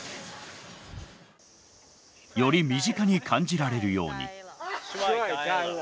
より身近に感じられるように。